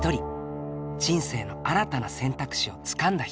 人生の新たな選択肢をつかんだ人。